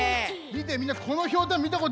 みてみんなこのひょうたんみたことある？